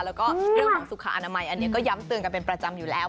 แล้วก็อร่องกับสุขภาษณะใหม่ก็ย้ำเตือนกันเป็นประจำอยู่แล้ว